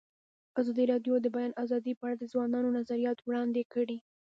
ازادي راډیو د د بیان آزادي په اړه د ځوانانو نظریات وړاندې کړي.